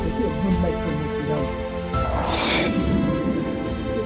thủ tướng chính phủ đã có ý kiến chỉ đạo bộ công viên chủ trì